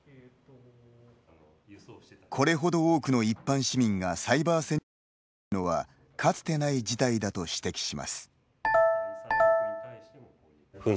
これほど多くの一般市民がサイバー戦に関わるのはかつてない事態だと指摘します。